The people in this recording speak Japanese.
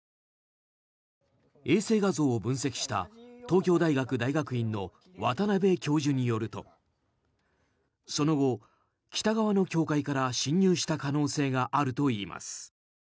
衛星画像を分析した東京大学大学院の渡邉教授によるとその後、北側の境界から侵入した可能性があるといいます。